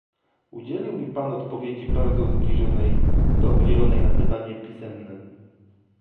Udzielił mi Pan odpowiedzi bardzo zbliżonej do udzielonej na pytanie pisemne